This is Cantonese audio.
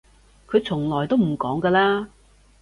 佢從來都唔講㗎啦